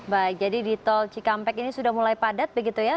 baik jadi di tol cikampek ini sudah mulai padat begitu ya